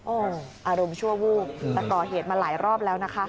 โอ้โหอารมณ์ชั่ววูบแต่ก่อเหตุมาหลายรอบแล้วนะคะ